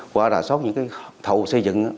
qua ra sót những thầu xây dựng